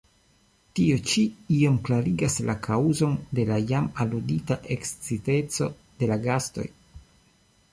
Tio ĉi iom klarigas la kaŭzon de la jam aludita eksciteco de la gastoj!